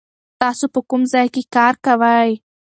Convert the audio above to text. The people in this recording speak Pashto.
تاسو په کوم ځای کې کار کوئ؟